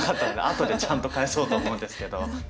後でちゃんと返そうと思うんですけど。